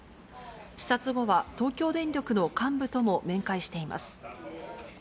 視察後は東京電力の幹部とも面会しています。